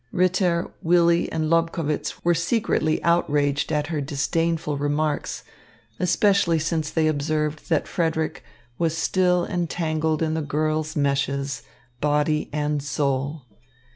Ritter, Willy and Lobkowitz were secretly outraged at her disdainful remarks, especially since they observed that Frederick was still entangled in the girl's meshes, body and soul.